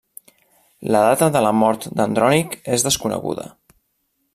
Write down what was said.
La data de la mort d'Andrònic és desconeguda.